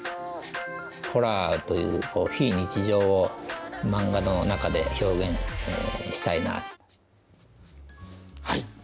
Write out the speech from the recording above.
ホラーという非日常を漫画の中で表現したいなと。